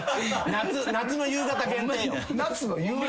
夏の夕方限定や。